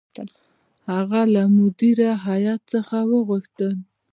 هغه له مدیره هیات څخه وغوښتل.